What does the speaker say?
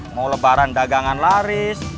mau lebaran dagangan laris